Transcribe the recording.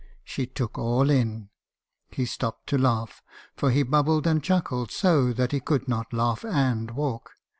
She took all in.' He stopped to laugh ; for he bubbled and chuckled so that he could not laugh and walk.